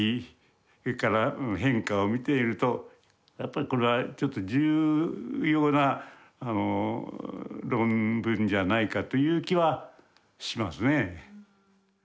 それから変化を見ているとやっぱりこれは重要な論文じゃないかという気はしますね。